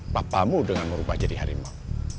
papamu dengan merubah jadi harimau